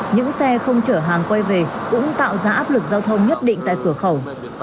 những xe không chở hàng quay về cũng tạo ra áp lực giao thông nhất định tại cửa khẩu